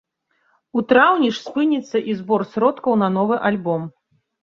У траўні ж спыніцца і збор сродкаў на новы альбом.